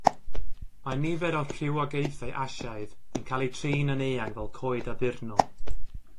Mae nifer o'r rhywogaethau Asiaidd yn cael eu trin yn eang fel coed addurnol.